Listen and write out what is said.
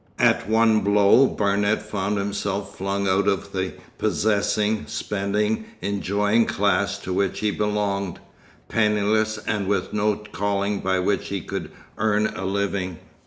At one blow Barnet found himself flung out of the possessing, spending, enjoying class to which he belonged, penniless and with no calling by which he could earn a living.